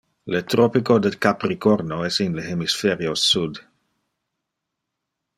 Le tropico de Capricorno es in le hemispherio sud.